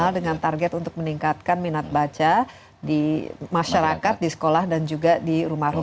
tetapi kenapa minat bacanya rendah